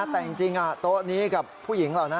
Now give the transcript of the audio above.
แต่จริงตัวนี้กับผู้หญิงเรานะ